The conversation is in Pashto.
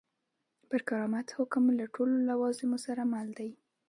پر کرامت حکم له ټولو لوازمو سره مل دی.